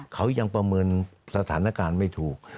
เขายังประเมินสถานการณ์ไม่ถูก